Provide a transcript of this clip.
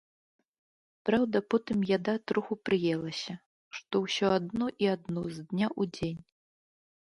Праўда, потым яда троху прыелася, што ўсё адно і адно з дня ў дзень.